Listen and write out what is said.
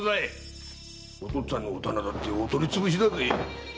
お父っつぁんのお店だってお取り潰しだぜ。